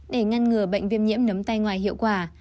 để ngăn ngừa bệnh viêm nhiễm nấm tay ngoài hiệu quả